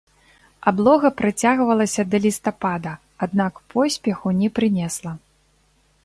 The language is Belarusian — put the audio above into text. Аблога працягвалася да лістапада, аднак поспеху не прынесла.